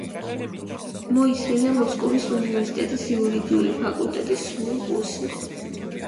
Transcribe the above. მოისმინა მოსკოვის უნივერსიტეტის იურიდიული ფაკულტეტის სრული კურსი.